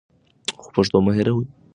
خو پښتو مه هېروئ.